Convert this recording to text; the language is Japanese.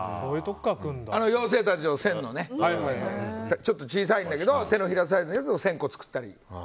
妖精たちの１０００のねちょっと小さいんだけど手のひらサイズで１０００個作ったり。